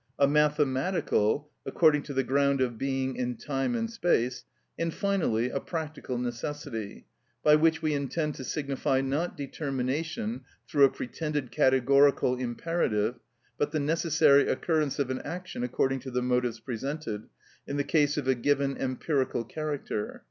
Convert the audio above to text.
a mathematical (according to the ground of being in time and space), and finally a practical necessity, by which we intend to signify not determination through a pretended categorical imperative, but the necessary occurrence of an action according to the motives presented, in the case of a given empirical character.